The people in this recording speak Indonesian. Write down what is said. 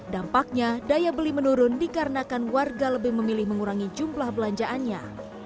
dampaknya daya beli menurun dikarenakan warga lebih memilih mengurangi jumlah belanjaannya